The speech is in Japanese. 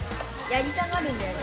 やりたがるんだよね